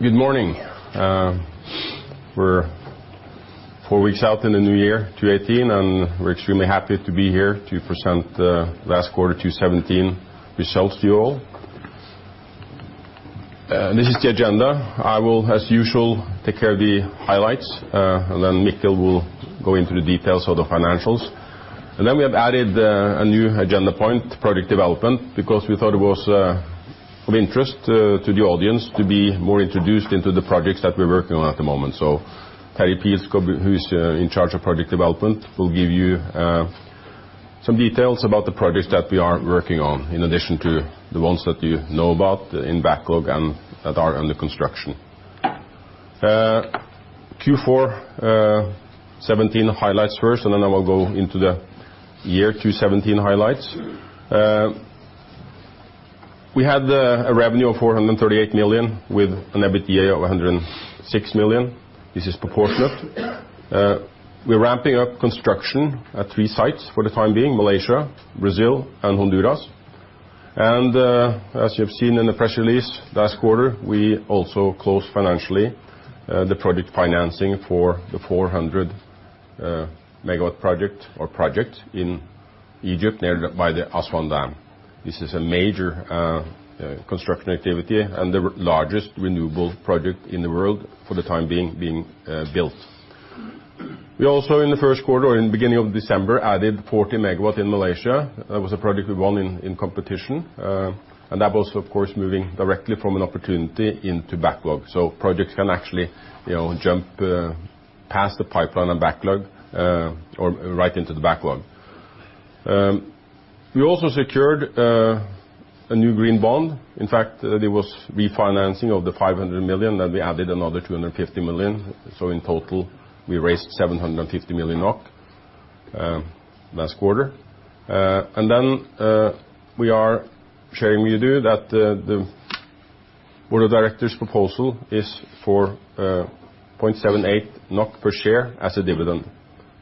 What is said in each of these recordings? Good morning. We're 4 weeks out in the new year, 2018, and we're extremely happy to be here to present last quarter 2017 results to you all. This is the agenda. I will, as usual, take care of the highlights. Mikkel will go into the details of the financials. We have added a new agenda point, project development, because we thought it was of interest to the audience to be more introduced into the projects that we're working on at the moment. Terje Pilskog, who's in charge of project development, will give you some details about the projects that we are working on, in addition to the ones that you know about in backlog and that are under construction. Q4 '17 highlights first. I will go into the year 2017 highlights. We had a revenue of 438 million with an EBITDA of 106 million. This is proportionate. We're ramping up construction at three sites for the time being, Malaysia, Brazil, and Honduras. As you have seen in the press release last quarter, we also closed financially the project financing for the 400-megawatt project in Egypt, by the Aswan Dam. This is a major construction activity and the largest renewable project in the world for the time being built. We also, in the first quarter or in the beginning of December, added 40 megawatts in Malaysia. That was a project we won in competition. That was, of course, moving directly from an opportunity into backlog. Projects can actually jump past the pipeline and backlog, or right into the backlog. We also secured a new green bond. In fact, there was refinancing of the 500 million. We added another 250 million. In total, we raised 750 million NOK last quarter. We are sharing with you that the board of directors' proposal is for 0.78 NOK per share as a dividend.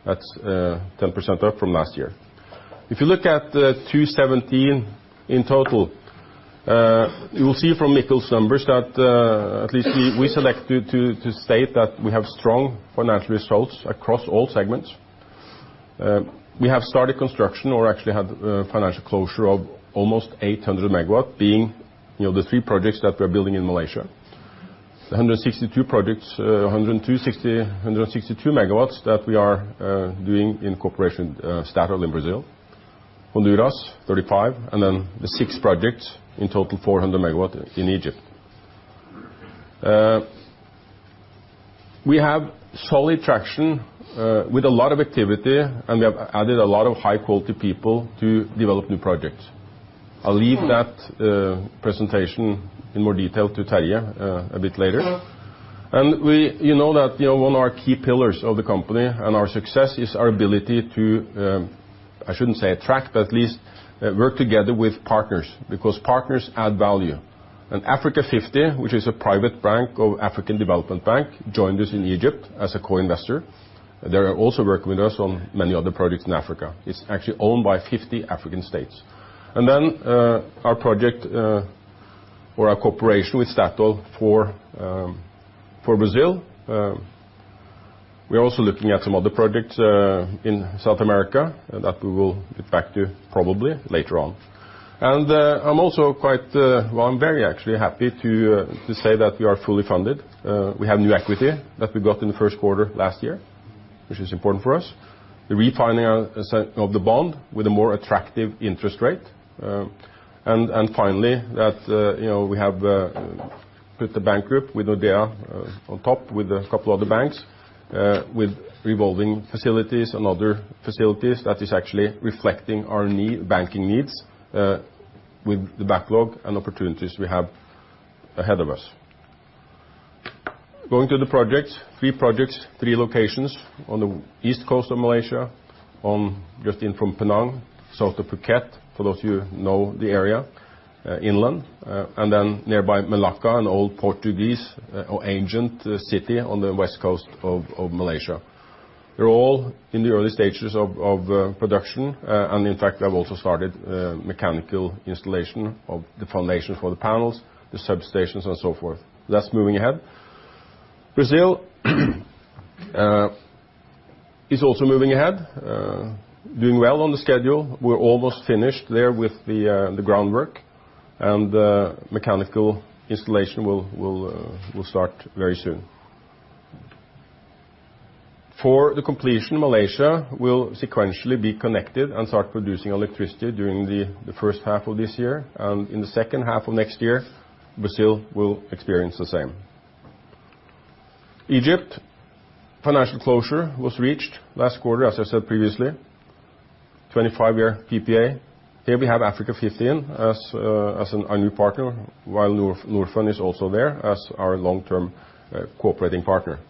That's 10% up from last year. If you look at 2017 in total, you will see from Mikkel's numbers that at least we selected to state that we have strong financial results across all segments. We have started construction or actually had financial closure of almost 800 megawatts, being the three projects that we're building in Malaysia. The 162 megawatts that we are doing in cooperation with Statoil in Brazil. Honduras, 35, and then the six projects, in total 400 megawatts, in Egypt. We have solid traction with a lot of activity, and we have added a lot of high-quality people to develop new projects. I'll leave that presentation in more detail to Terje a bit later. You know that one of our key pillars of the company and our success is our ability to, I shouldn't say attract, but at least work together with partners, because partners add value. Africa50, which is a private bank of African Development Bank, joined us in Egypt as a co-investor. They are also working with us on many other projects in Africa. It's actually owned by 50 African states. Our project, or our cooperation with Statoil for Brazil. We're also looking at some other projects in South America that we will get back to probably later on. I'm also quite, well, I'm very actually happy to say that we are fully funded. We have new equity that we got in the first quarter last year, which is important for us. The refinancing of the bond with a more attractive interest rate. Finally, that we have with the bank group, with [Odeya] on top, with a couple other banks, with revolving facilities and other facilities that is actually reflecting our banking needs with the backlog and opportunities we have ahead of us. Going to the projects, three projects, three locations on the east coast of Malaysia, on just in from Penang, south of Phuket, for those of you who know the area, inland. Then nearby Melaka, an old Portuguese or ancient city on the west coast of Malaysia. They're all in the early stages of production. In fact, they have also started mechanical installation of the foundation for the panels, the substations and so forth. That's moving ahead. Brazil is also moving ahead. Doing well on the schedule. We're almost finished there with the groundwork, and mechanical installation will start very soon. For the completion, Malaysia will sequentially be connected and start producing electricity during the first half of this year. In the second half of next year, Brazil will experience the same. Egypt, financial closure was reached last quarter, as I said previously. 25-year PPA. Here we have Africa50 in as a new partner, while Norfund is also there as our long-term cooperating partner.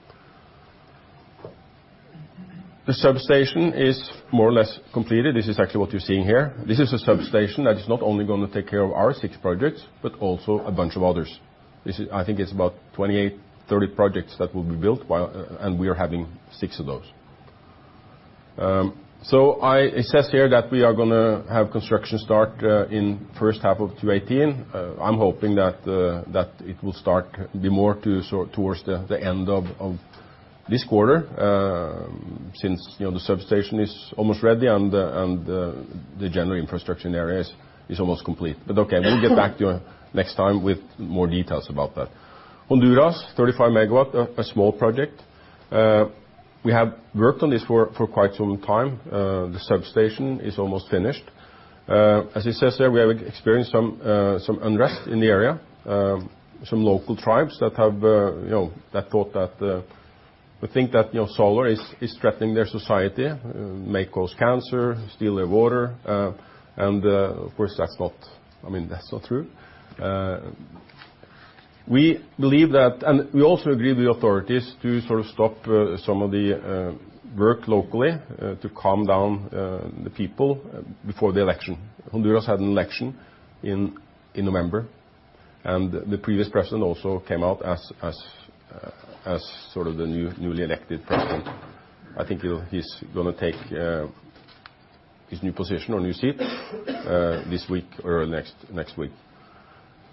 The substation is more or less completed. This is actually what you're seeing here. This is a substation that is not only going to take care of our six projects, but also a bunch of others. I think it's about 28, 30 projects that will be built, and we are having six of those. I assess here that we are going to have construction start in the first half of 2018. I'm hoping that it will start more towards the end of this quarter, since the substation is almost ready and the general infrastructure in the area is almost complete. Okay, we'll get back to you next time with more details about that. Honduras, 35 MW, a small project. We have worked on this for quite some time. The substation is almost finished. As it says there, we have experienced some unrest in the area. Some local tribes that think that solar is threatening their society, may cause cancer, steal their water. Of course, that's not true. We also agreed with the authorities to sort of stop some of the work locally to calm down the people before the election. Honduras had an election in November, and the previous president also came out as the newly elected president. I think he's going to take his new position or new seat this week or next week.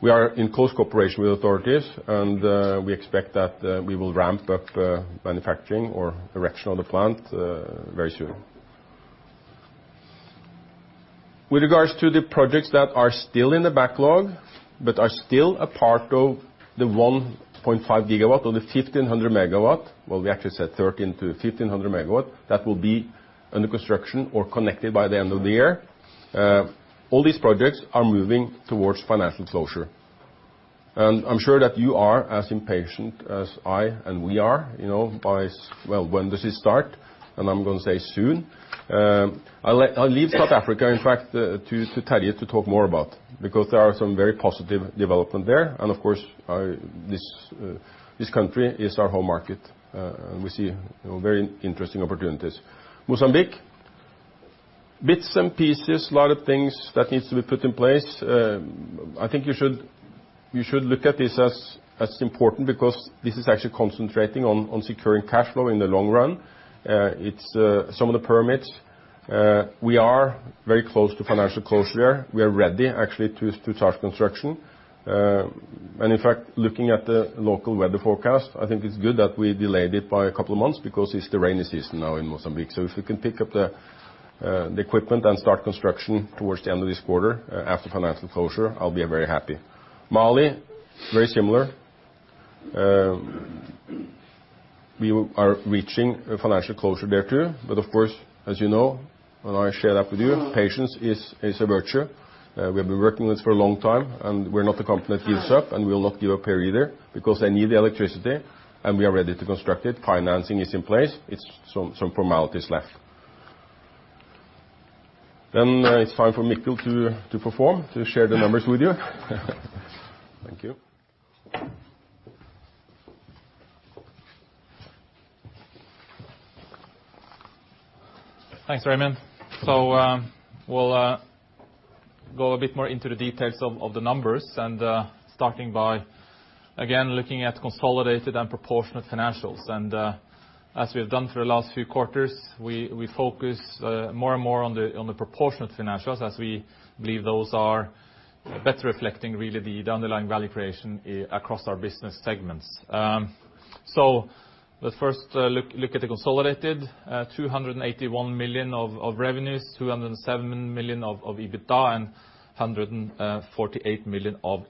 We are in close cooperation with authorities, and we expect that we will ramp up manufacturing or erection of the plant very soon. With regards to the projects that are still in the backlog, but are still a part of the 1.5 GW or the 1,500 MW, well, we actually said 1,300 to 1,500 MW, that will be under construction or connected by the end of the year. All these projects are moving towards financial closure. I'm sure that you are as impatient as I and we are by, well, when does this start? I'm going to say soon. I'll leave South Africa, in fact, to Terje to talk more about, because there are some very positive developments there. Of course, this country is our home market. We see very interesting opportunities. Mozambique, bits and pieces, a lot of things that need to be put in place. I think you should look at this as important because this is actually concentrating on securing cash flow in the long run. It's some of the permits. We are very close to financial closure. We are ready, actually, to start construction. In fact, looking at the local weather forecast, I think it's good that we delayed it by a couple of months because it's the rainy season now in Mozambique. If we can pick up the equipment and start construction towards the end of this quarter after financial closure, I'll be very happy. Mali, very similar. We are reaching financial closure there, too. Of course, as you know, and I share that with you, patience is a virtue. We have been working with for a long time, and we're not a company that gives up, and we will not give up here either because they need the electricity, and we are ready to construct it. Financing is in place. It's some formalities left. It's time for Mikkel to perform, to share the numbers with you. Thank you. Thanks, Raymond. We'll go a bit more into the details of the numbers and starting by, again, looking at consolidated and proportionate financials. As we've done for the last few quarters, we focus more and more on the proportionate financials, as we believe those are better reflecting really the underlying value creation across our business segments. Let's first look at the consolidated. 281 million of revenues, 207 million of EBITDA, and 148 million of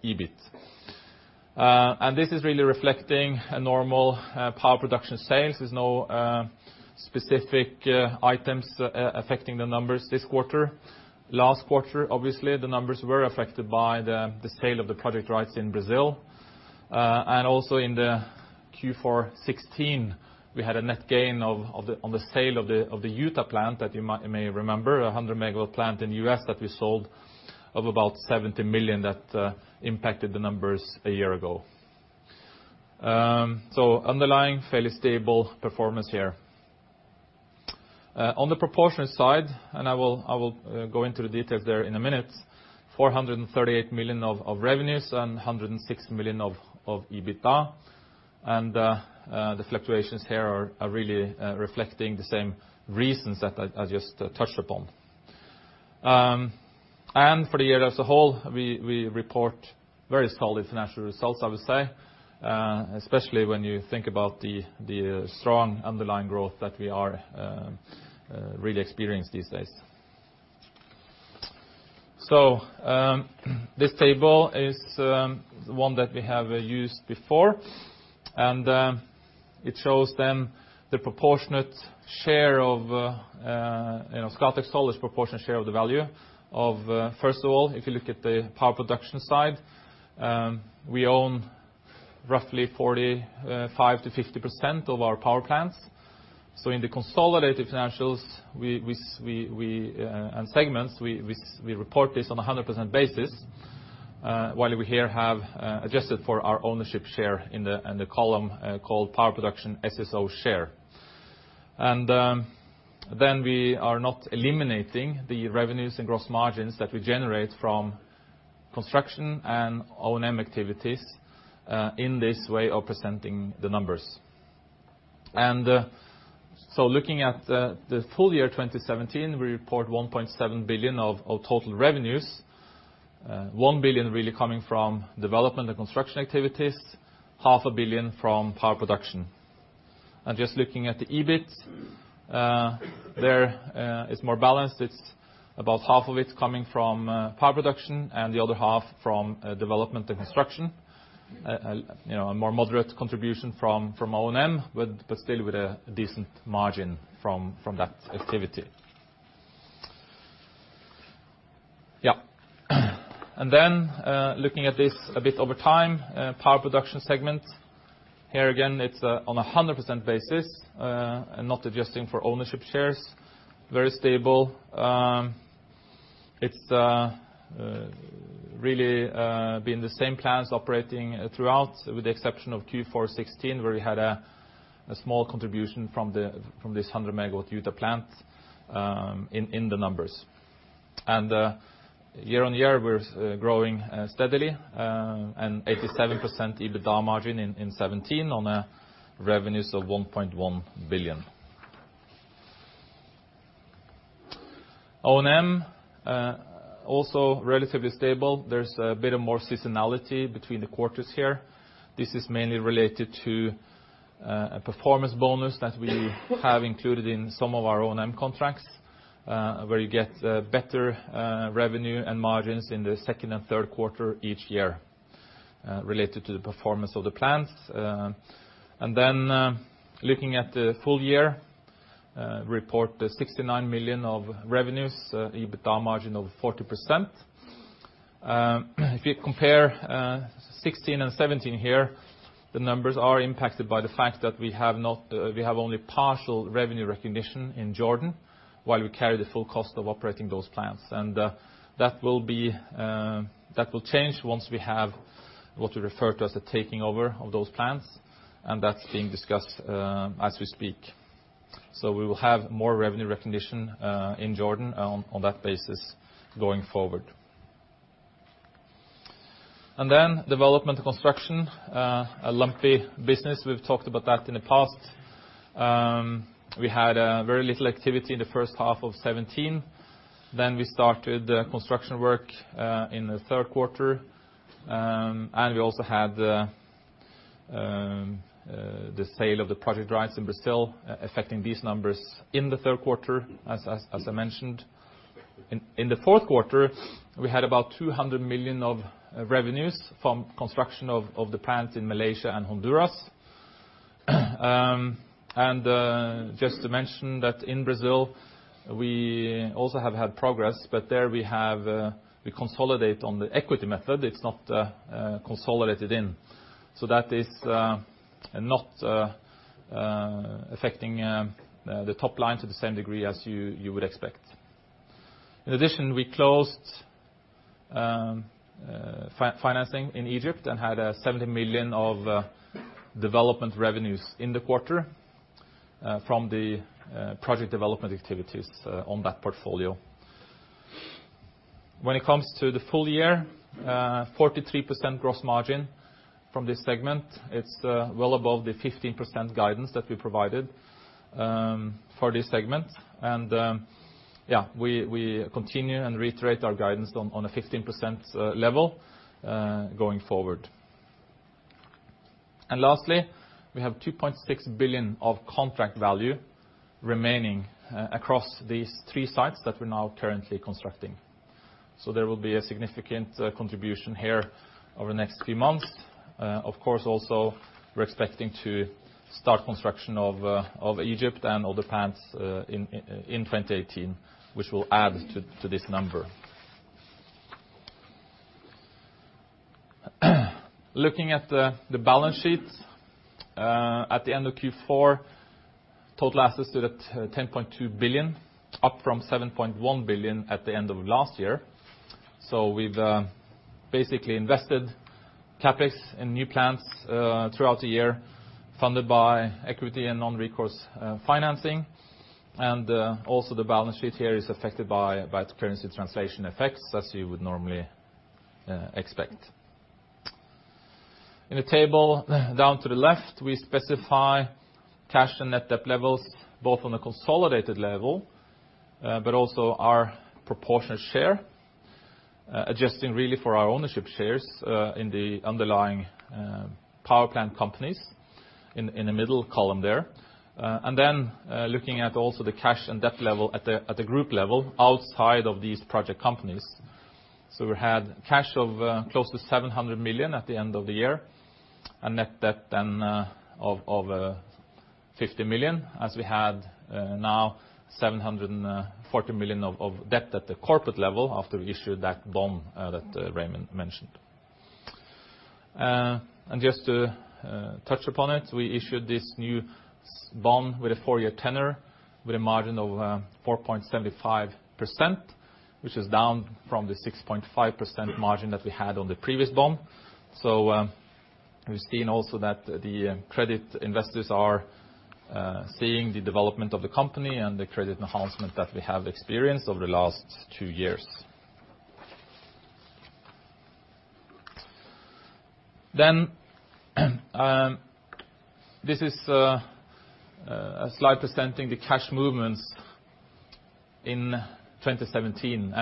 EBIT. This is really reflecting a normal power production sales. There are no specific items affecting the numbers this quarter. Last quarter, obviously, the numbers were affected by the sale of the project rights in Brazil. Also in the Q4 2016, we had a net gain on the sale of the Utah plant that you may remember, a 100-megawatt plant in U.S. that we sold of about 70 million that impacted the numbers a year ago. Underlying, fairly stable performance here. On the proportionate side, I will go into the details there in a minute, 438 million of revenues and 106 million of EBITDA. The fluctuations here are really reflecting the same reasons that I just touched upon. For the year as a whole, we report very solid financial results, I would say, especially when you think about the strong underlying growth that we are really experiencing these days. This table is one that we have used before. It shows the proportionate share of Scatec Solar's proportionate share of the value of, first of all, if you look at the power production side, we own roughly 45%-50% of our power plants. In the consolidated financials and segments, we report this on a 100% basis, while we here have adjusted for our ownership share in the column called Power Production SSO Share. We are not eliminating the revenues and gross margins that we generate from Construction and O&M activities in this way of presenting the numbers. Looking at the full year 2017, we report 1.7 billion of total revenues. 1 billion really coming from development and construction activities, half a billion from power production. Just looking at the EBIT, there it's more balanced. It's about half of it coming from power production, the other half from development and construction. A more moderate contribution from O&M, but still with a decent margin from that activity. Looking at this a bit over time, power production segment, here again, it's on 100% basis, not adjusting for ownership shares. Very stable. It's really been the same plants operating throughout, with the exception of Q4 2016, where we had a small contribution from this 100 MW Utah plant in the numbers. Year-on-year, we're growing steadily, 87% EBITDA margin in 2017 on revenues of 1.1 billion. O&M, also relatively stable. There's a bit of more seasonality between the quarters here. This is mainly related to a performance bonus that we have included in some of our O&M contracts, where you get better revenue and margins in the second and third quarter each year related to the performance of the plants. Looking at the full year, report 69 million of revenues, EBITDA margin of 40%. If you compare 2016 and 2017 here, the numbers are impacted by the fact that we have only partial revenue recognition in Jordan while we carry the full cost of operating those plants. That will change once we have what we refer to as a taking over of those plants, that's being discussed as we speak. We will have more revenue recognition in Jordan on that basis going forward. Development and construction, a lumpy business. We've talked about that in the past. We had very little activity in the first half of 2017. We started the construction work in the third quarter. We also had the sale of the project rights in Brazil affecting these numbers in the third quarter, as I mentioned. In the fourth quarter, we had about 200 million of revenues from construction of the plants in Malaysia and Honduras. Just to mention that in Brazil we also have had progress, but there we consolidate on the equity method. It's not consolidated in. That is not affecting the top line to the same degree as you would expect. In addition, we closed financing in Egypt and had 70 million of development revenues in the quarter from the project development activities on that portfolio. When it comes to the full year, 43% gross margin from this segment. It's well above the 15% guidance that we provided for this segment. We continue and reiterate our guidance on a 15% level going forward. Lastly, we have 2.6 billion of contract value remaining across these three sites that we're now currently constructing. There will be a significant contribution here over the next few months. Of course, also, we're expecting to start construction of Egypt and other plants in 2018, which will add to this number. Looking at the balance sheet. At the end of Q4, total assets stood at 10.2 billion, up from 7.1 billion at the end of last year. We've basically invested CapEx in new plants throughout the year, funded by equity and non-recourse financing. Also the balance sheet here is affected by the currency translation effects as you would normally expect. In the table down to the left, we specify cash and net debt levels, both on a consolidated level but also our proportionate share. Adjusting really for our ownership shares in the underlying power plant companies in the middle column there. Then looking at also the cash and debt level at the group level outside of these project companies. We had cash of close to 700 million at the end of the year. A net debt then of 50 million, as we had now 740 million of debt at the corporate level after we issued that bond that Raymond mentioned. Just to touch upon it, we issued this new bond with a four-year tenor with a margin of 4.75%, which is down from the 6.5% margin that we had on the previous bond. We've seen also that the credit investors are seeing the development of the company and the credit enhancement that we have experienced over the last two years. This is a slide presenting the cash movements in 2017.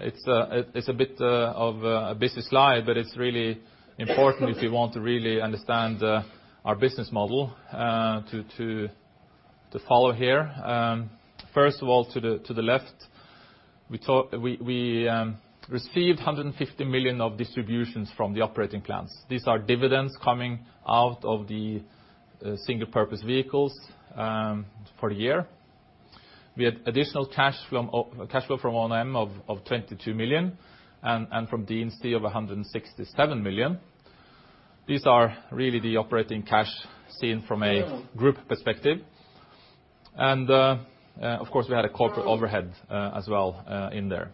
It's a bit of a busy slide, but it's really important if you want to really understand our business model to follow here. First of all, to the left, we received 150 million of distributions from the operating plants. These are dividends coming out of the single purpose vehicles for the year. We had additional cash flow from O&M of 22 million, and from D&C of 167 million. These are really the operating cash seen from a group perspective. Of course, we had a corporate overhead as well in there.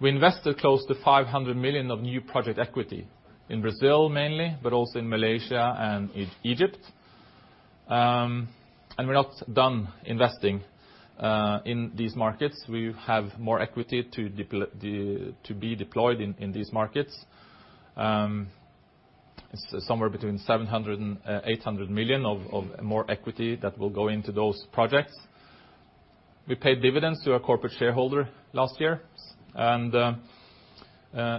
We invested close to 500 million of new project equity. In Brazil mainly, but also in Malaysia and in Egypt. We're not done investing in these markets. We have more equity to be deployed in these markets. It's somewhere between 700 million and 800 million of more equity that will go into those projects. We paid dividends to our corporate shareholder last year.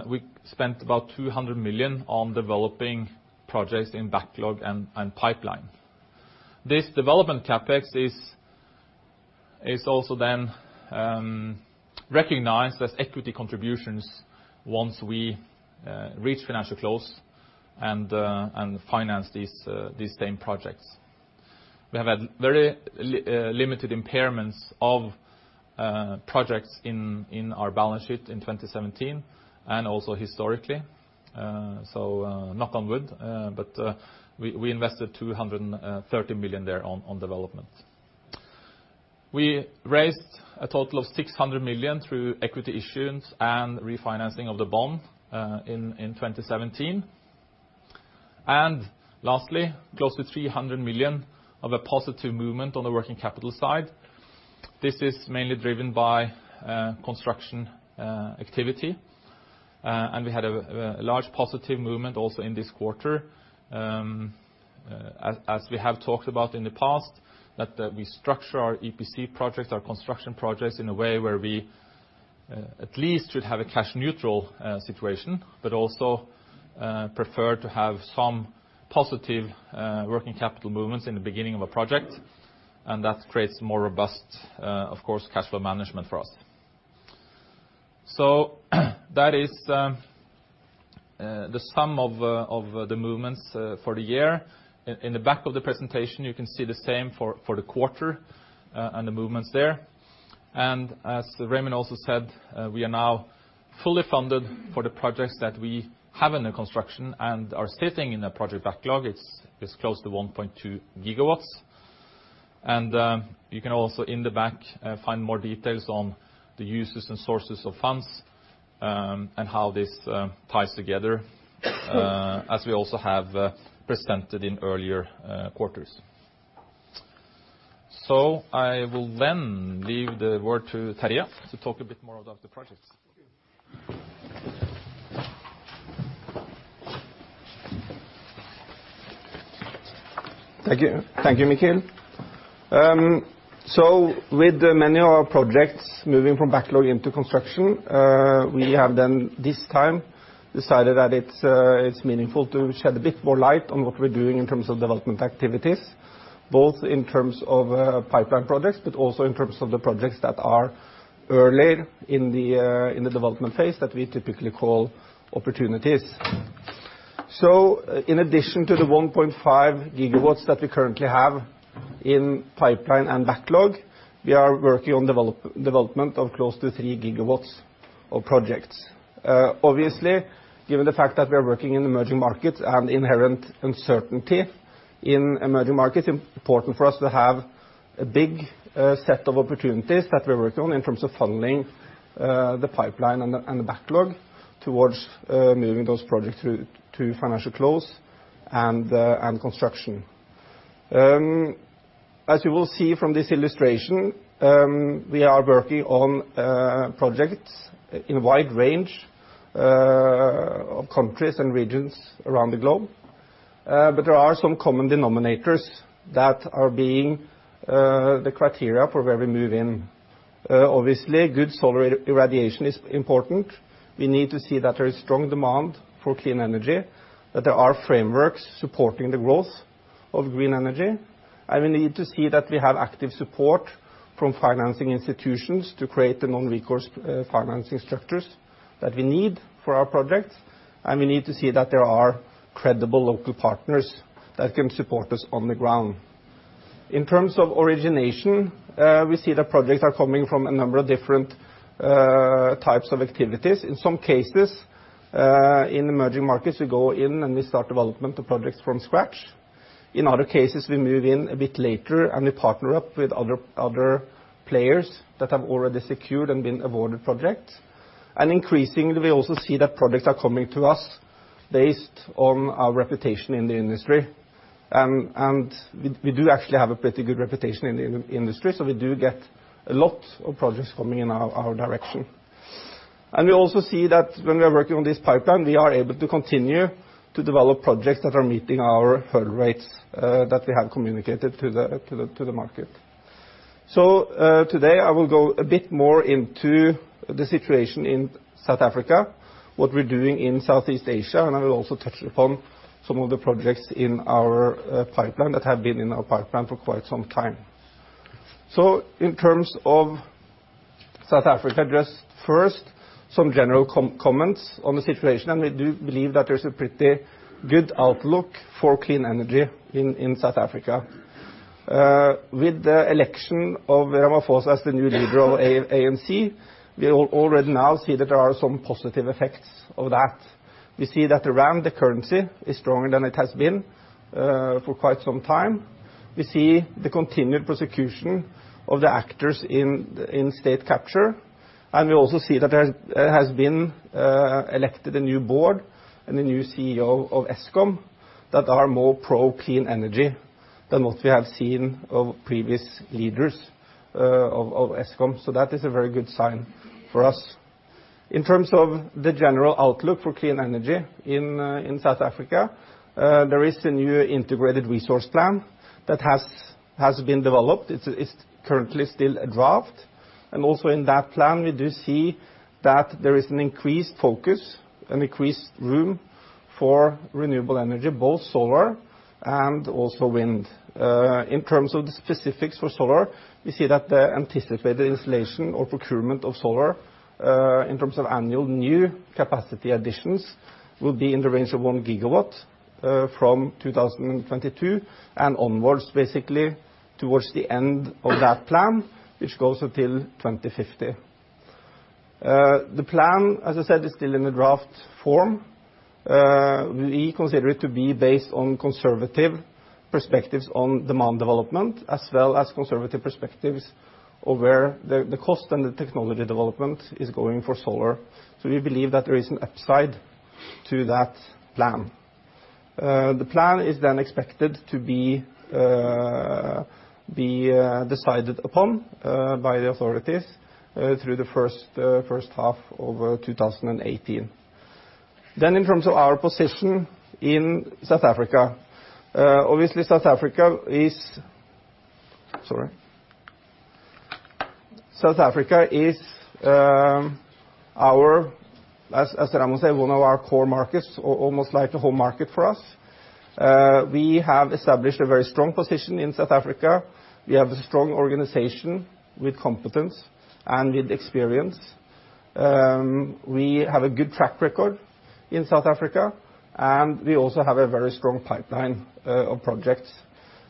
We spent about 200 million on developing projects in backlog and pipeline. This development CapEx is also then recognized as equity contributions once we reach financial close and finance these same projects. We have had very limited impairments of projects in our balance sheet in 2017 and also historically. Knock on wood, but we invested 230 million there on development. We raised a total of 600 million through equity issuance and refinancing of the bond in 2017. Lastly, close to 300 million of a positive movement on the working capital side. This is mainly driven by construction activity. We had a large positive movement also in this quarter. As we have talked about in the past, we structure our EPC projects, our construction projects in a way where we at least should have a cash neutral situation, but also prefer to have some positive working capital movements in the beginning of a project. That creates more robust, of course, cash flow management for us. That is the sum of the movements for the year. In the back of the presentation, you can see the same for the quarter and the movements there. As Raymond also said, we are now fully funded for the projects that we have under construction and are sitting in a project backlog. It's close to 1.2 gigawatts. You can also, in the back, find more details on the uses and sources of funds, and how this ties together, as we also have presented in earlier quarters. I will then leave the word to Terje to talk a bit more about the projects. Thank you, Mikkel. With many of our projects moving from backlog into construction, we have then this time decided that it's meaningful to shed a bit more light on what we're doing in terms of development activities, both in terms of pipeline projects, but also in terms of the projects that are earlier in the development phase that we typically call opportunities. In addition to the 1.5 gigawatts that we currently have in pipeline and backlog, we are working on development of close to 3 gigawatts of projects. Obviously, given the fact that we are working in emerging markets and the inherent uncertainty in emerging markets, it's important for us to have a big set of opportunities that we're working on in terms of funneling the pipeline and the backlog towards moving those projects to financial close and construction. As you will see from this illustration, we are working on projects in a wide range of countries and regions around the globe. There are some common denominators that are being the criteria for where we move in. Obviously, good solar irradiation is important. We need to see that there is strong demand for clean energy, that there are frameworks supporting the growth of green energy. We need to see that we have active support from financing institutions to create the non-recourse financing structures that we need for our projects. We need to see that there are credible local partners that can support us on the ground. In terms of origination, we see that projects are coming from a number of different types of activities. In some cases, in emerging markets, we go in and we start development of projects from scratch. In other cases, we move in a bit later and we partner up with other players that have already secured and been awarded projects. Increasingly, we also see that projects are coming to us based on our reputation in the industry. We do actually have a pretty good reputation in the industry, so we do get a lot of projects coming in our direction. We also see that when we are working on this pipeline, we are able to continue to develop projects that are meeting our hurdle rates that we have communicated to the market. Today, I will go a bit more into the situation in South Africa, what we're doing in Southeast Asia, and I will also touch upon some of the projects in our pipeline that have been in our pipeline for quite some time. In terms of South Africa, just first, some general comments on the situation, and we do believe that there's a pretty good outlook for clean energy in South Africa. With the election of Ramaphosa as the new leader of ANC, we already now see that there are some positive effects of that. We see that the rand, the currency, is stronger than it has been for quite some time. We see the continued prosecution of the actors in state capture, and we also see that there has been elected a new board and a new CEO of Eskom that are more pro-clean energy than what we have seen of previous leaders of Eskom. That is a very good sign for us. In terms of the general outlook for clean energy in South Africa, there is a new integrated resource plan that has been developed. It's currently still a draft. Also in that plan, we do see that there is an increased focus and increased room for renewable energy, both solar and also wind. In terms of the specifics for solar, we see that the anticipated installation or procurement of solar, in terms of annual new capacity additions, will be in the range of 1 gigawatt from 2022 and onwards, basically towards the end of that plan, which goes until 2050. The plan, as I said, is still in the draft form. We consider it to be based on conservative perspectives on demand development, as well as conservative perspectives of where the cost and the technology development is going for solar. We believe that there is an upside to that plan. The plan is then expected to be decided upon by the authorities through the first half of 2018. In terms of our position in South Africa. Obviously, South Africa is our, as Raymond say, one of our core markets, almost like a home market for us. We have established a very strong position in South Africa. We have a strong organization with competence and with experience. We have a good track record in South Africa, and we also have a very strong pipeline of projects.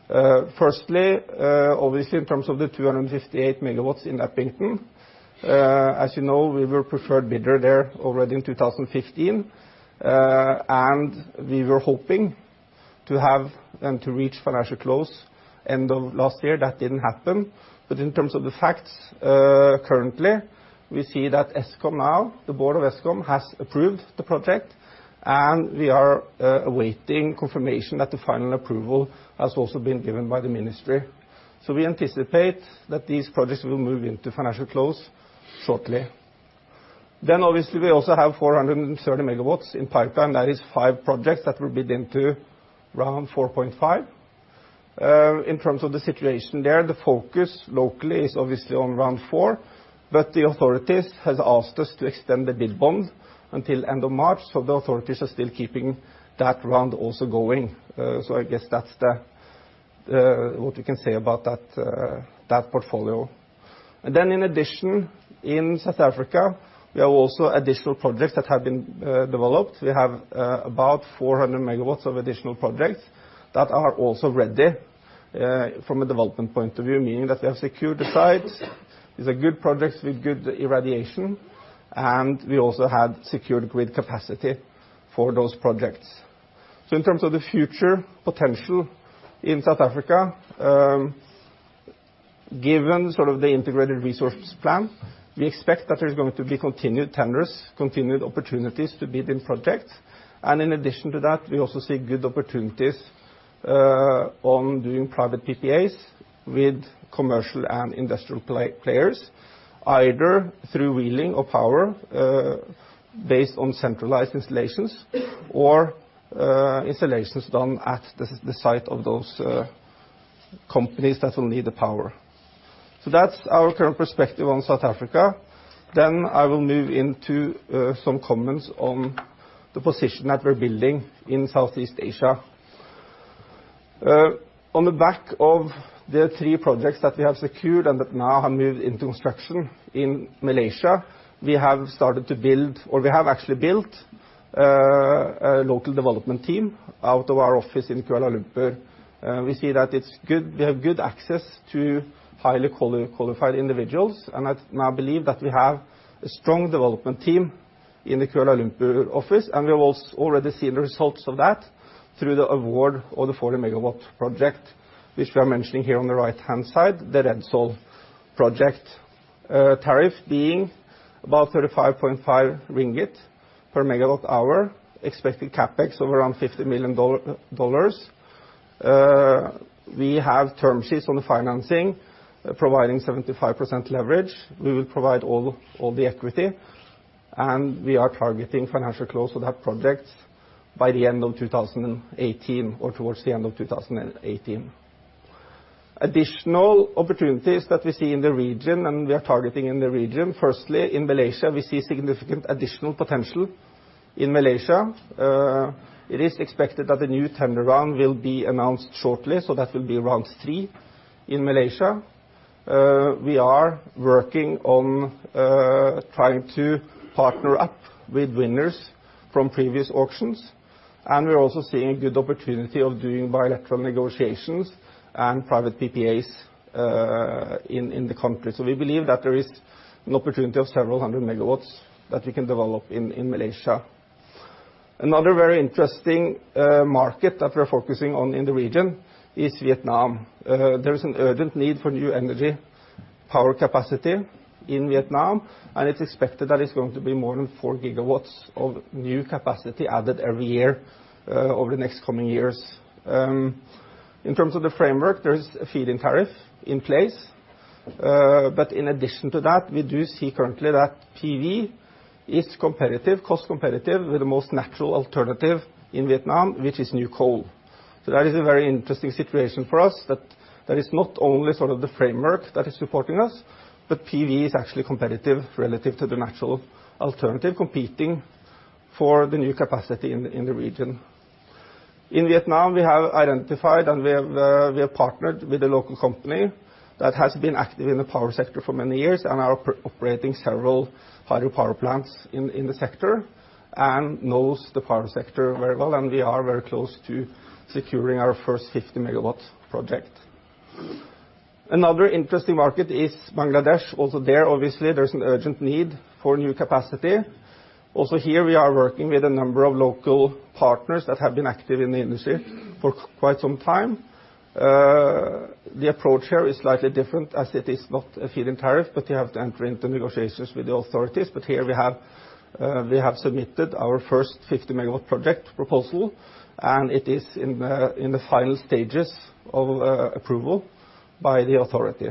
Firstly, obviously, in terms of the 258 MW in Upington. As you know, we were preferred bidder there already in 2015, and we were hoping to have and to reach financial close end of last year. That didn't happen. In terms of the facts, currently, we see that Eskom now, the board of Eskom, has approved the project, and we are awaiting confirmation that the final approval has also been given by the ministry. We anticipate that these projects will move into financial close shortly. Then obviously, we also have 430 MW in pipeline. That is five projects that were bid into round 4.5. In terms of the situation there, the focus locally is obviously on round four, but the authorities have asked us to extend the bid bond until end of March. The authorities are still keeping that round also going. I guess that's what we can say about that portfolio. In addition, in South Africa, we have also additional projects that have been developed. We have about 400 MW of additional projects that are also ready from a development point of view, meaning that they have secured the sites, these are good projects with good irradiation, and we also have secured grid capacity for those projects. In terms of the future potential in South Africa, given sort of the integrated resource plan, we expect that there's going to be continued tenders, continued opportunities to bid in projects. In addition to that, we also see good opportunities on doing private PPAs with commercial and industrial players, either through wheeling of power based on centralized installations or installations done at the site of those companies that will need the power. That's our current perspective on South Africa. I will move into some comments on the position that we're building in Southeast Asia. On the back of the three projects that we have secured and that now have moved into construction in Malaysia, we have started to build, or we have actually built a local development team out of our office in Kuala Lumpur. We see that we have good access to highly qualified individuals, and I now believe that we have a strong development team in the Kuala Lumpur office, and we have also already seen the results of that through the award of the 40 MW project, which we are mentioning here on the right-hand side, the Rensol project. Tariff being about 35.5 ringgit per MWh, expected CapEx of around $50 million. We have term sheets on the financing, providing 75% leverage. We will provide all the equity, and we are targeting financial close of that project by the end of 2018 or towards the end of 2018. Additional opportunities that we see in the region and we are targeting in the region. Firstly, in Malaysia, we see significant additional potential. In Malaysia, it is expected that the new tender round will be announced shortly. That will be round three in Malaysia. We are working on trying to partner up with winners from previous auctions, and we're also seeing good opportunity of doing bilateral negotiations and private PPAs in the country. We believe that there is an opportunity of several hundred MW that we can develop in Malaysia. Another very interesting market that we're focusing on in the region is Vietnam. There is an urgent need for new energy power capacity in Vietnam, and it's expected that it's going to be more than 4 GW of new capacity added every year over the next coming years. In terms of the framework, there is a feed-in tariff in place. But in addition to that, we do see currently that PV is cost competitive with the most natural alternative in Vietnam, which is new coal. That is a very interesting situation for us that is not only sort of the framework that is supporting us, PV is actually competitive relative to the natural alternative competing for the new capacity in the region. In Vietnam, we have identified and we have partnered with a local company that has been active in the power sector for many years and are operating several hydropower plants in the sector and knows the power sector very well. We are very close to securing our first 50-megawatt project. Another interesting market is Bangladesh. There, obviously, there's an urgent need for new capacity. Here, we are working with a number of local partners that have been active in the industry for quite some time. The approach here is slightly different as it is not a feed-in tariff, you have to enter into negotiations with the authorities. Here we have submitted our first 50-megawatt project proposal, it is in the final stages of approval by the authority.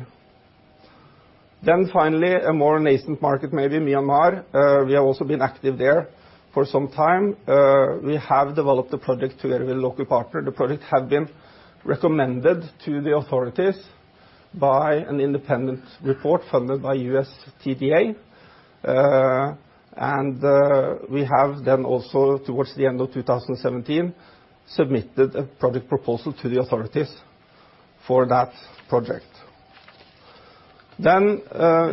Finally, a more nascent market, maybe Myanmar. We have also been active there for some time. We have developed a project together with a local partner. The project have been recommended to the authorities by an independent report funded by USTDA. We have then also, towards the end of 2017, submitted a project proposal to the authorities for that project.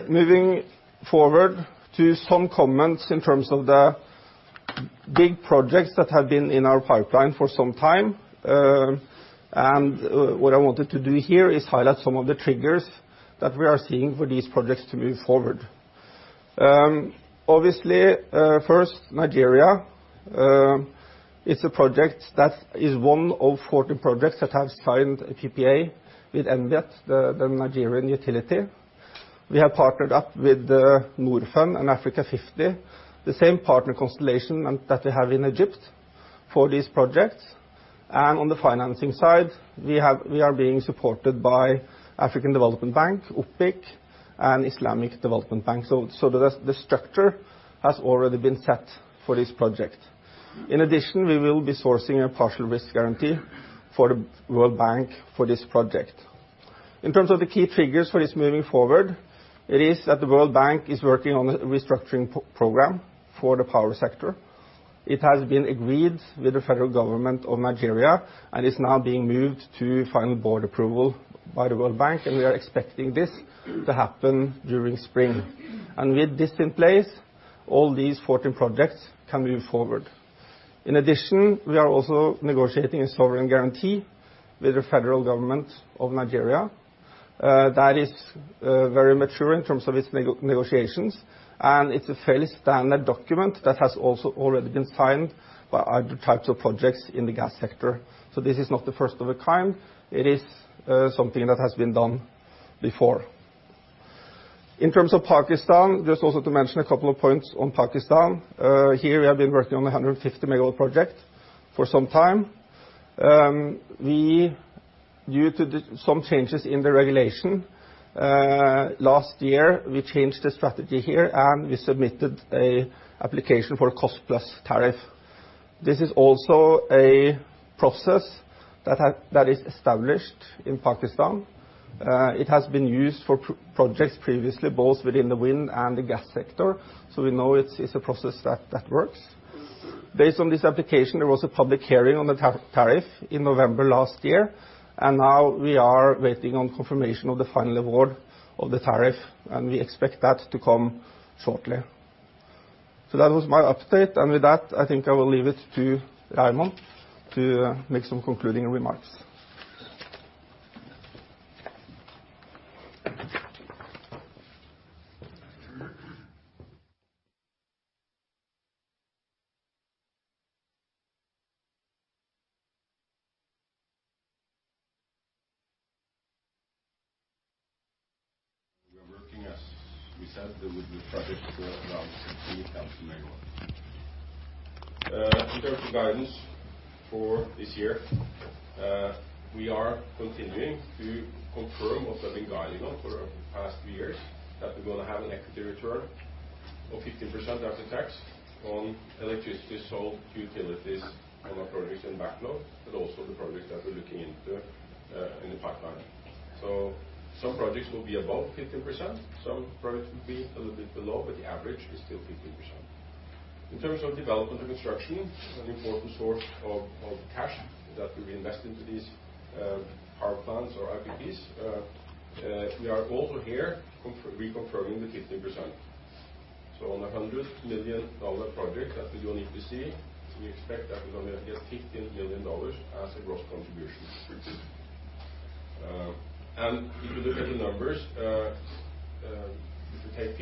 Moving forward to some comments in terms of the big projects that have been in our pipeline for some time. What I wanted to do here is highlight some of the triggers that we are seeing for these projects to move forward. Obviously, first, Nigeria. It's a project that is one of 14 projects that have signed a PPA with NBET, the Nigerian utility. We have partnered up with the Norfund and Africa50, the same partner constellation that we have in Egypt for these projects. On the financing side, we are being supported by African Development Bank, OPIC, and Islamic Development Bank. The structure has already been set for this project. In addition, we will be sourcing a partial risk guarantee for the World Bank for this project. In terms of the key triggers for this moving forward, it is that the World Bank is working on a restructuring program for the power sector. It has been agreed with the federal government of Nigeria and is now being moved to final board approval by the World Bank, we are expecting this to happen during spring. With this in place, all these 14 projects can move forward. In addition, we are also negotiating a sovereign guarantee with the federal government of Nigeria. That is very mature in terms of its negotiations, it's a fairly standard document that has also already been signed by other types of projects in the gas sector. This is not the first of a kind. It is something that has been done before. In terms of Pakistan, just also to mention a couple of points on Pakistan. Here we have been working on 150-megawatt project for some time. Due to some changes in the regulation, last year, we changed the strategy here, we submitted a application for a cost-plus tariff. This is also a process that is established in Pakistan. It has been used for projects previously, both within the wind and the gas sector. We know it's a process that works. Based on this application, there was a public hearing on the tariff in November last year, now we are waiting on confirmation of the final award of the tariff, we expect that to come shortly. That was my update. With that, I think I will leave it to Raymond to make some concluding remarks. We are working, as we said, with the project around 1,700 megawatts. In terms of guidance for this year, we are continuing to confirm what we have been guiding on for the past few years, that we're going to have an equity return of 15% after tax on electricity sold to utilities on our projects in backlog, but also the projects that we're looking into in the pipeline. Some projects will be above 15%, some projects will be a little bit below, but the average is still 15%. In terms of development and construction, an important source of cash that we invest into these power plants or IPPs. We are also here reconfirming the 15%. On a $100 million project that we do on EPC, we expect that we're going to get $15 million as a gross contribution. If you look at the numbers, if you take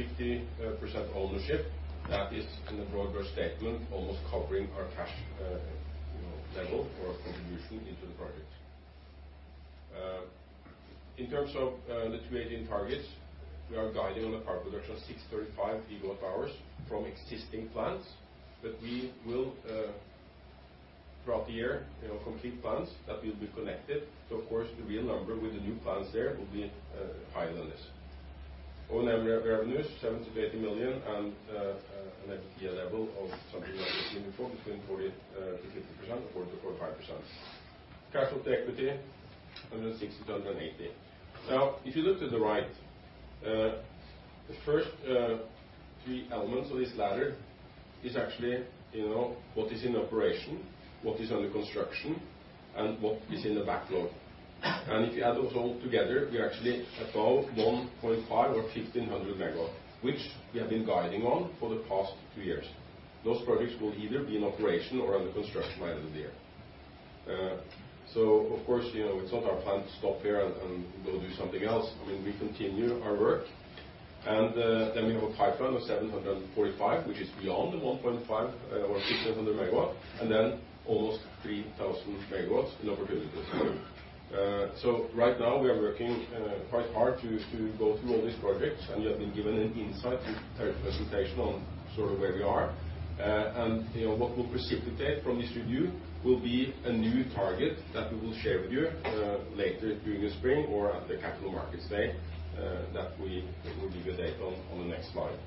50% ownership, that is in a broad-brush statement, almost covering our cash level or our contribution into the project. In terms of the 2018 targets, we are guiding on the power production of 635 gigawatt hours from existing plants, but we will, throughout the year, complete plants that will be connected. Of course, the real number with the new plants there will be higher than this. O&M revenues, $70 million-$80 million, an EBITDA level of something like uniform between 40%-50% or 45%. Cash to equity, $160-$180. If you look to the right, the first three elements of this ladder is actually what is in operation, what is under construction, what is in the backlog. If you add those all together, we are actually at about 1.5 or 1,500 megawatts, which we have been guiding on for the past two years. Those projects will either be in operation or under construction by the end of the year. Of course, it's not our plan to stop here and go do something else. We continue our work. We have a pipeline of 745, which is beyond the 1.5 or 1,500 megawatts, almost 3,000 megawatts in opportunities. Right now we are working quite hard to go through all these projects, you have been given an insight in Terje's presentation on sort of where we are. What will precipitate from this review will be a new target that we will share with you later during the spring or at the Capital Markets Day that we will give you a date on the next slide.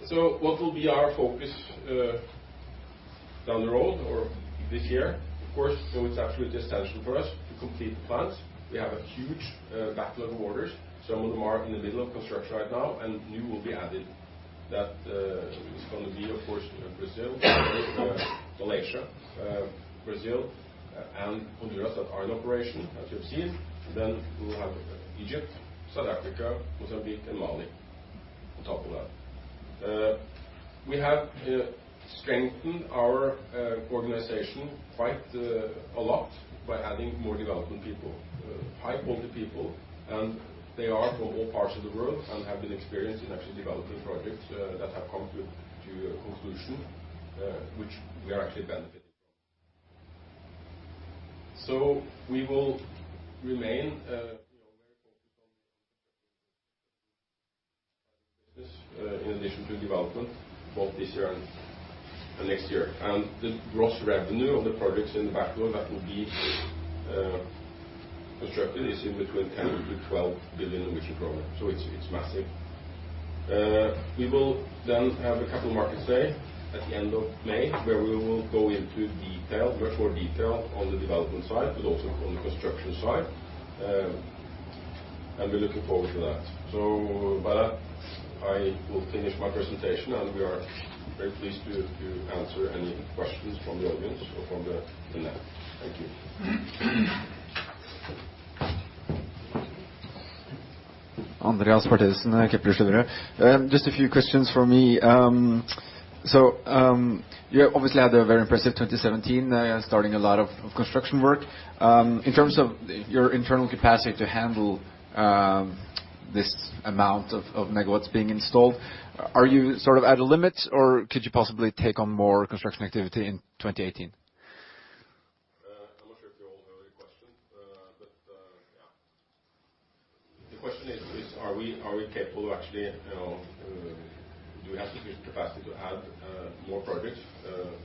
What will be our focus down the road or this year? Of course, it is absolutely essential for us to complete the plants. We have a huge backlog of orders. Some of them are in the middle of construction right now, and new will be added. That is going to be, of course, Brazil, Malaysia, Brazil, and Honduras that are in operation, as you have seen. Then we will have Egypt, South Africa, Mozambique, and Mali on top of that. We have strengthened our organization quite a lot by adding more development people, high-quality people, and they are from all parts of the world and have been experienced in actually developing projects that have come to a conclusion, which we are actually benefiting from. We will remain very focused on this in addition to development both this year and next year. The gross revenue of the projects in the backlog that will be constructed is in between 10 billion-12 billion. It is massive. We will then have the Capital Markets Day at the end of May, where we will go into detail, much more detail on the development side, but also on the construction side. We are looking forward to that. With that, I will finish my presentation, and we are very pleased to answer any questions from the audience or from the net. Thank you. Andreas Parteisen, Kepler Cheuvreux. Just a few questions from me. You obviously had a very impressive 2017, starting a lot of construction work. In terms of your internal capacity to handle this amount of megawatts being installed, are you sort of at a limit, or could you possibly take on more construction activity in 2018? I'm not sure if you all know the question. The question is, do we have the sufficient capacity to add more projects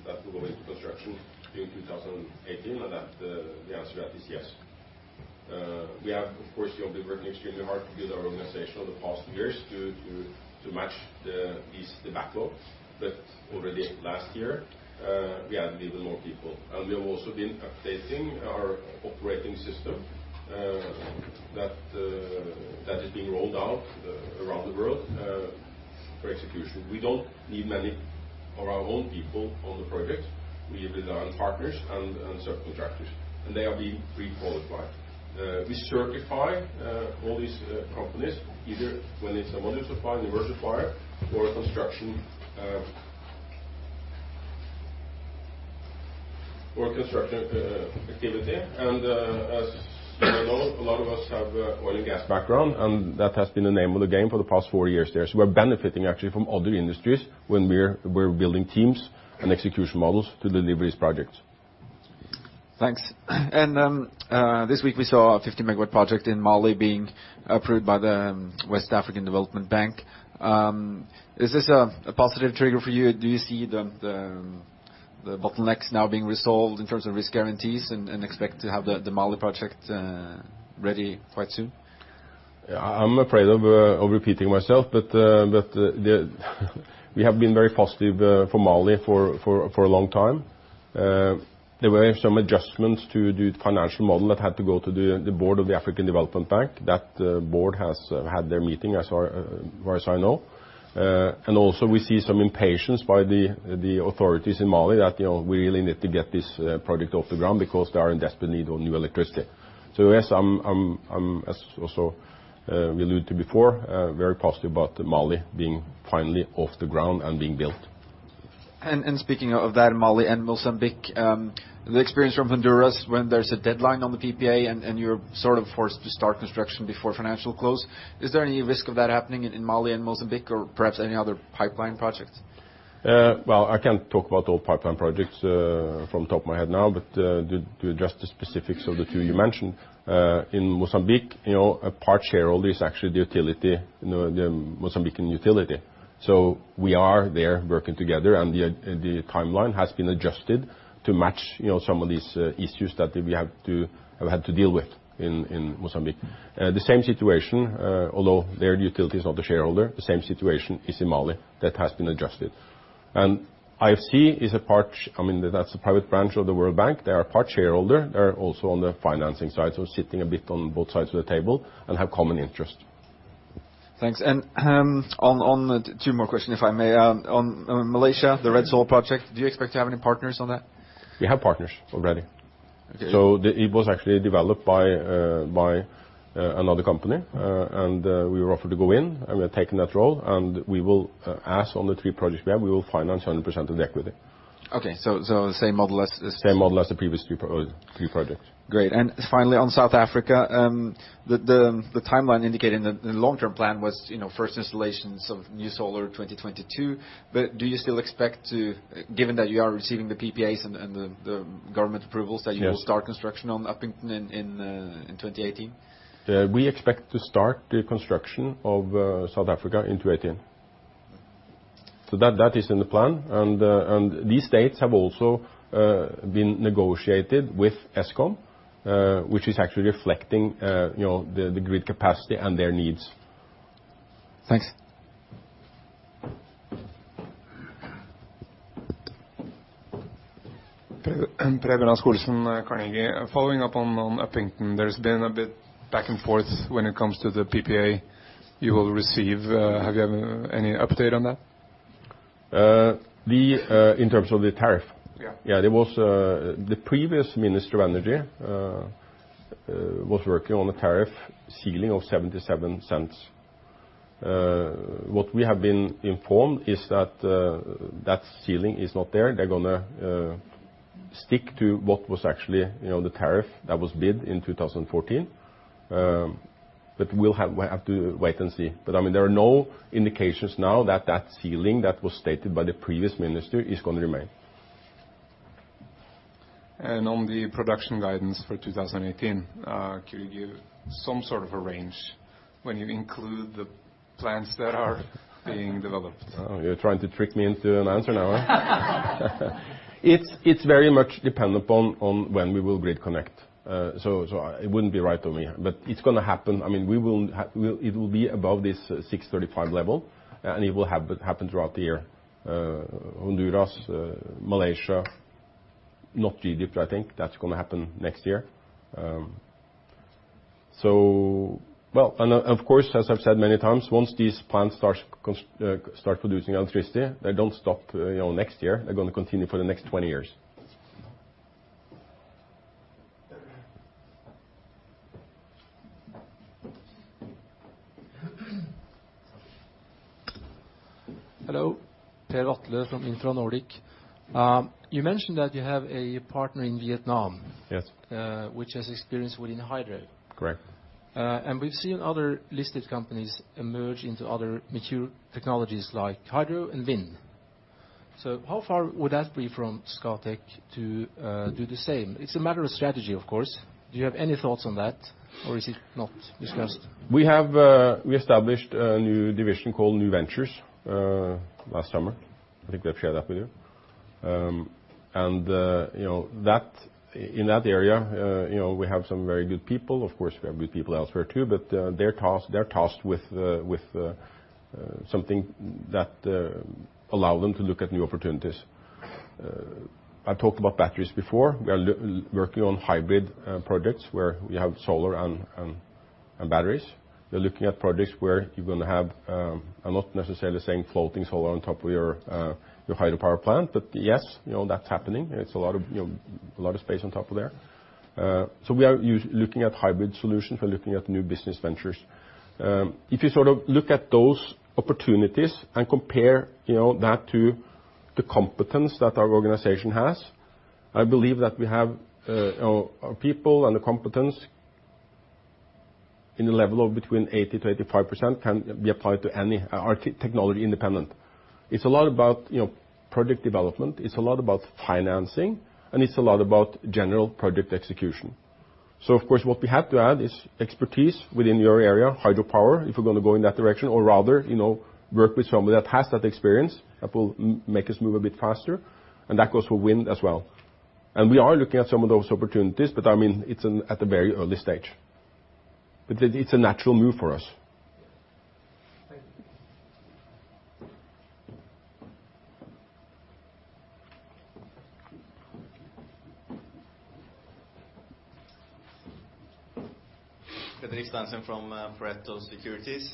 that will go into construction during 2018? The answer to that is yes. We have, of course, been working extremely hard to build our organization over the past years to match the backlog. Already last year, we added even more people. We have also been updating our operating system that is being rolled out around the world for execution. We don't need many of our own people on the project. We rely on partners and subcontractors, and they are being pre-qualified. We certify all these companies, either when it's a module supplier, an inverter supplier, or a construction partner or construction activity. As you well know, a lot of us have oil and gas background, and that has been the name of the game for the past 4 years there. We're benefiting actually from other industries when we're building teams and execution models to deliver these projects. Thanks. This week we saw a 50 MW project in Mali being approved by the West African Development Bank. Is this a positive trigger for you? Do you see the bottlenecks now being resolved in terms of risk guarantees and expect to have the Mali project ready quite soon? I'm afraid of repeating myself, we have been very positive for Mali for a long time. There were some adjustments to the financial model that had to go to the board of the African Development Bank. That board has had their meeting, as far as I know. Also we see some impatience by the authorities in Mali that we really need to get this project off the ground because they are in desperate need of new electricity. Yes, as also we alluded to before, very positive about Mali being finally off the ground and being built. Speaking of that, Mali and Mozambique, the experience from Honduras when there's a deadline on the PPA and you're sort of forced to start construction before financial close. Is there any risk of that happening in Mali and Mozambique or perhaps any other pipeline projects? Well, I can't talk about all pipeline projects from the top of my head now, but to address the specifics of the two you mentioned. In Mozambique, a part shareholder is actually the utility, the Mozambican utility. We are there working together, and the timeline has been adjusted to match some of these issues that we have had to deal with in Mozambique. The same situation, although their utility is not the shareholder, the same situation is in Mali that has been adjusted. IFC is a part, I mean, that's a private branch of the World Bank. They are a part shareholder. They are also on the financing side, so sitting a bit on both sides of the table and have common interest. Thanks. Two more questions, if I may. On Malaysia, the Rensol project, do you expect to have any partners on that? We have partners already. Okay. It was actually developed by another company. We were offered to go in, and we have taken that role, and we will, as on the three projects we have, finance 100% of the equity. Okay, the same model as Same model as the previous three projects. Great. Finally, on South Africa, the timeline indicated in the long-term plan was first installations of new solar 2022. Do you still expect to, given that you are receiving the PPAs and the government approvals Yes that you will start construction on Upington in 2018? We expect to start the construction of South Africa in 2018. That is in the plan. These dates have also been negotiated with Eskom, which is actually reflecting the grid capacity and their needs. Thanks. Preben Aaskousen, Carnegie. Following up on Upington, there's been a bit back and forth when it comes to the PPA you will receive. Have you any update on that? In terms of the tariff? Yeah. Yeah. The previous minister of energy was working on a tariff ceiling of 0.77. We have been informed is that ceiling is not there. They're going to stick to what was actually the tariff that was bid in 2014. We'll have to wait and see. I mean, there are no indications now that that ceiling that was stated by the previous minister is going to remain. On the production guidance for 2018, can we give some sort of a range when you include the plants that are being developed? Oh, you're trying to trick me into an answer now, huh? It's very much dependent on when we will grid connect. It wouldn't be right of me. It's going to happen. It will be above this 635 level, and it will happen throughout the year. Honduras, Malaysia, not Egypt, I think that's going to happen next year. Well, and of course, as I've said many times, once these plants start producing electricity, they don't stop next year. They're going to continue for the next 20 years. Hello. Per Vatle from Infra Nordic. You mentioned that you have a partner in Vietnam. Yes. Which has experience within hydro. Correct. We've seen other listed companies emerge into other mature technologies like hydro and wind. How far would that be from Scatec to do the same? It's a matter of strategy, of course. Do you have any thoughts on that, or is it not discussed? We established a new division called New Ventures last summer. I think we have shared that with you. In that area we have some very good people. Of course, we have good people elsewhere, too, but they're tasked with something that allow them to look at new opportunities. I talked about batteries before. We are working on hybrid projects where we have solar and batteries. We are looking at projects where you're going to have, I'm not necessarily saying floating solar on top of your hydropower plant, but yes, that's happening. It's a lot of space on top of there. We are looking at hybrid solutions. We're looking at new business ventures. If you look at those opportunities and compare that to the competence that our organization has, I believe that we have our people and the competence in the level of between 80%-85% can be applied to any technology independent. It's a lot about project development, it's a lot about financing, and it's a lot about general project execution. Of course, what we have to add is expertise within your area, hydropower, if we're going to go in that direction or rather work with somebody that has that experience, that will make us move a bit faster, and that goes for wind as well. We are looking at some of those opportunities, but it's at the very early stage. It's a natural move for us. Thank you. Fredrik Staalsoen from Pareto Securities.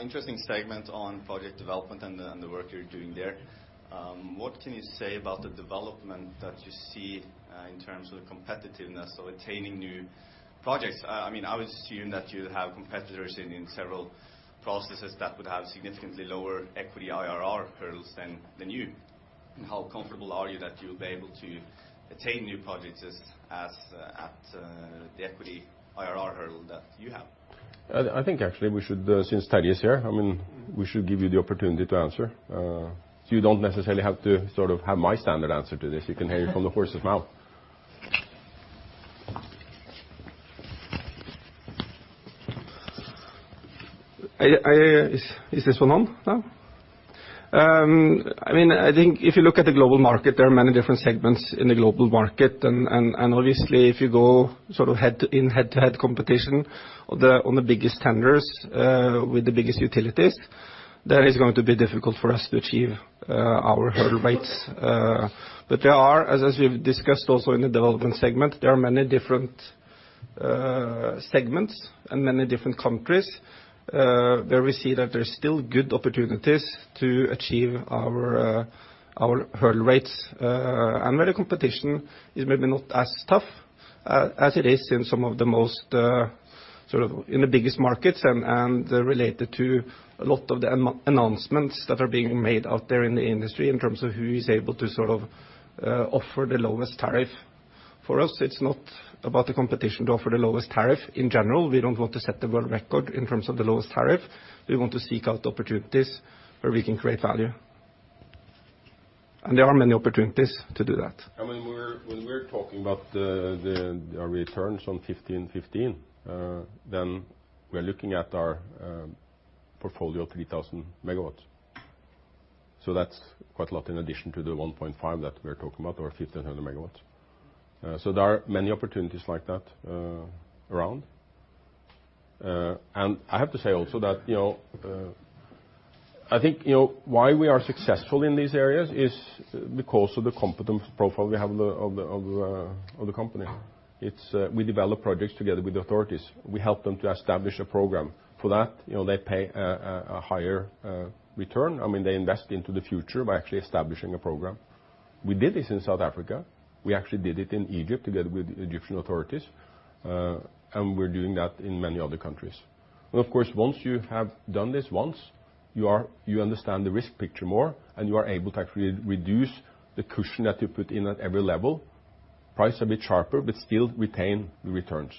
Interesting segment on project development and the work you're doing there. What can you say about the development that you see in terms of the competitiveness of attaining new projects? I would assume that you have competitors in several processes that would have significantly lower equity IRR hurdles than you. How comfortable are you that you'll be able to attain new projects as at the equity IRR hurdle that you have? I think actually we should, since Terje is here, we should give you the opportunity to answer. You don't necessarily have to have my standard answer to this. You can hear it from the horse's mouth. Is this one on now? I think if you look at the global market, there are many different segments in the global market, obviously if you go in head-to-head competition on the biggest tenders with the biggest utilities, that is going to be difficult for us to achieve our hurdle rates. There are, as we've discussed also in the development segment, there are many different segments and many different countries where we see that there's still good opportunities to achieve our hurdle rates. Where the competition is maybe not as tough as it is in the biggest markets and related to a lot of the announcements that are being made out there in the industry in terms of who is able to offer the lowest tariff. For us, it's not about the competition to offer the lowest tariff. In general, we don't want to set the world record in terms of the lowest tariff. We want to seek out opportunities where we can create value. There are many opportunities to do that. When we're talking about the returns on 1515, we are looking at our portfolio of 3,000 megawatts. That's quite a lot in addition to the 1.5 that we're talking about, or 1,500 megawatts. There are many opportunities like that around. I have to say also that I think why we are successful in these areas is because of the competence profile we have of the company. We develop projects together with the authorities. We help them to establish a program. For that, they pay a higher return. They invest into the future by actually establishing a program. We did this in South Africa. We actually did it in Egypt together with the Egyptian authorities, we're doing that in many other countries. Well, of course, once you have done this once, you understand the risk picture more, you are able to actually reduce the cushion that you put in at every level. Price a bit sharper, still retain the returns.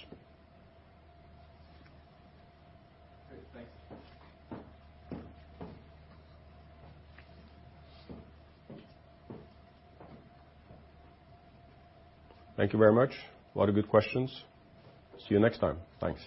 Great. Thanks. Thank you very much. A lot of good questions. See you next time. Thanks.